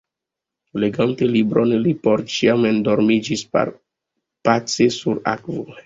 Legante libron li por ĉiam endormiĝis – pace sur akvo.